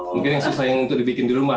mungkin yang susah untuk dibikin di rumah